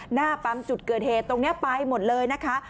หน้าปั๊มจุดเกิดเหตุตรงนี้ไปหมดเลยนะคะ